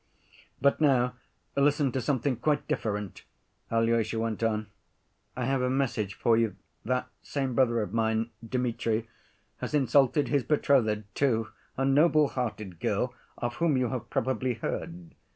"But now listen to something quite different!" Alyosha went on. "I have a message for you. That same brother of mine, Dmitri, has insulted his betrothed, too, a noble‐hearted girl of whom you have probably heard.